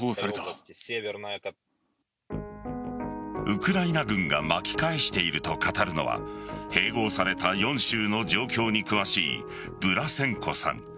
ウクライナ軍が巻き返していると語るのは併合された４州の状況に詳しいブラセンコさん。